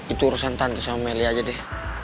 itu urusan tante sama meli aja deh